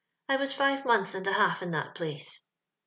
I was five months and a half in that place.